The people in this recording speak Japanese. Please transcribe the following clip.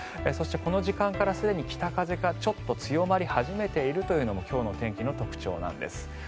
そしてこの時間からすでに北風がちょっと強まり始めているのが今日の天気の特徴なんです。